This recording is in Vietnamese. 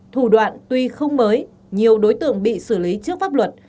thủ đoạn tuy không mới nhiều đối tượng bị xử lý trước pháp luật